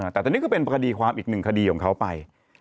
แต่ตอนนี้ก็เป็นคดีความอีกหนึ่งคดีของเขาไป